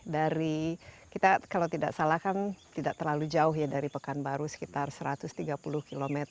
dari kita kalau tidak salah kan tidak terlalu jauh ya dari pekanbaru sekitar satu ratus tiga puluh km